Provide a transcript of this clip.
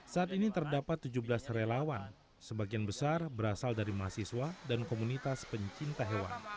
saat ini terdapat tujuh belas relawan sebagian besar berasal dari mahasiswa dan komunitas pencinta hewan